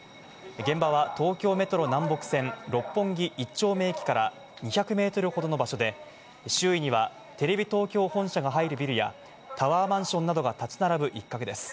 現場は東京メトロ南北線・六本木一丁目駅から２００メートルほどの場所で、周囲にはテレビ東京本社が入るビルやタワーマンションなどが立ち並ぶ一角です。